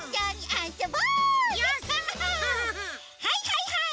はいはいはい！